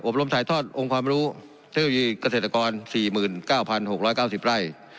อบรมสายทอดองค์ความรู้เทศกรียีเกษตรกร๔๙๖๙๐ไร่